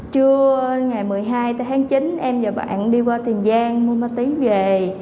trưa ngày một mươi hai tháng chín em và bạn đi qua tiền giang mua má tí về